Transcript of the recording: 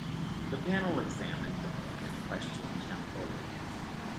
The panel examined the book and questioned Campolo.